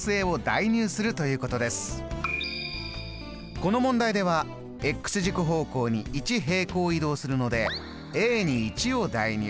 この問題では軸方向に１平行移動するのでに１を代入。